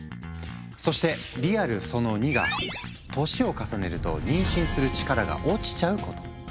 そしてリアルその２が年を重ねると妊娠する力が落ちちゃうこと。